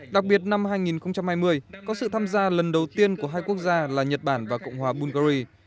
đặc biệt năm hai nghìn hai mươi có sự tham gia lần đầu tiên của hai quốc gia là nhật bản và cộng hòa bungary